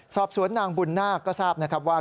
สอบสวนนางบุญนาคก็ทราบว่า